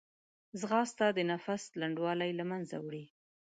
ځغاسته د نفس لنډوالی له منځه وړي